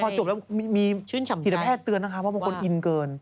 พอจบแล้วมีจิตแพทย์เตือนนะคะว่าบางคนอินเกิน